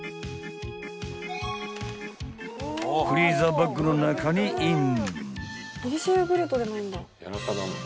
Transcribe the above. ［フリーザーバッグの中にイン］